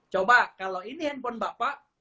coba kalau ini handphone bapak